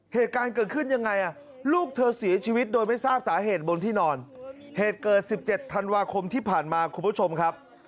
เหตุการณ์เกิดขึ้นยังไงลูกเธอเสียชีวิตโดยไม่ทราบสาเหตุบนที่นอนเหตุเกิด๑๗ธันวาคมที่ผ่านมาคุณผู้ชมครับ